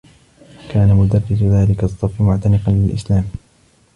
كان مدرّس ذلك الصّفّ معتنقا للإسلام.